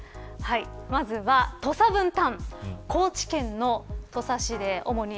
まずは土佐文旦。